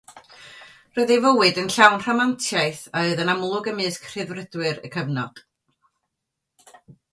Roedd ei fywyd yn llawn rhamantiaeth a oedd yn amlwg ymysg rhyddfrydwyr y cyfnod.